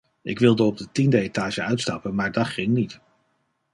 Ik wilde op de tiende etage uitstappen, maar dat ging niet.